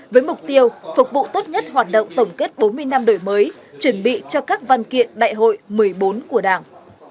với mục tiêu phục vụ tốt nhất hoạt động tổng kết bốn mươi năm đổi mới chuẩn bị cho các văn kiện đại hội một mươi bốn của đảng